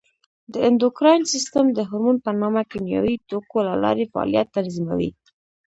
د اندوکراین سیستم د هورمون په نامه کیمیاوي توکو له لارې فعالیت تنظیموي.